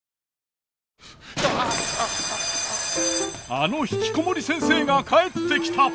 あのひきこもり先生が帰ってきた！